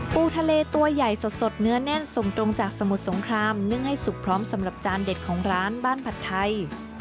ปูทะเลตัวใหญ่สดเนื้อแน่นส่งตรงจากสมุทรสงครามนึ่งให้สุกพร้อมสำหรับจานเด็ดของร้านบ้านผัดไทย